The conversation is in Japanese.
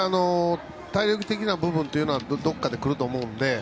体力的な部分はどこかで来ると思うので。